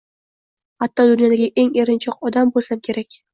Hatto dunyodagi eng erinchoq odam bo’lsam kerak.